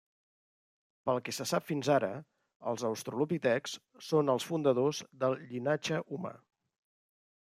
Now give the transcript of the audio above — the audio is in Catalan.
Pel que se sap fins ara, els australopitecs són els fundadors del llinatge humà.